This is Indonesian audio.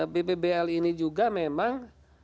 bbbl ini juga memang